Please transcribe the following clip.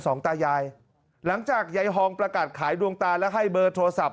ตายายหลังจากยายฮองประกาศขายดวงตาและให้เบอร์โทรศัพท์